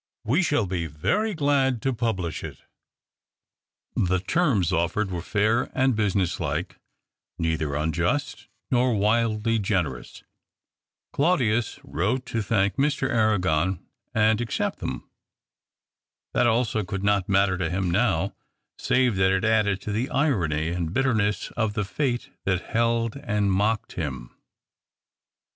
AYe shall be very glad to publish it." THE OCTAVE OF CLAUDIUS. 239 The terms offered were fair and business like — neither unjust nor wildly generous. Claudius wrote to thank Mr. Arragon and accept them. That also could not matter to him now — save that it added to the irony and Ijitterness of the fate that held and mocked him.